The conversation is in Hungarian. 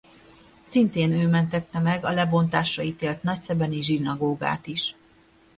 Szintén ő mentette meg a lebontásra ítélt nagyszebeni zsinagógát is.